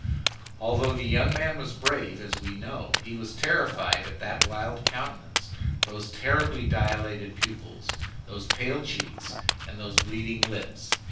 Although the young man was brave, as we know, he was terrified at that wild countenance, those terribly dilated pupils, those pale cheeks, and those bleeding lips.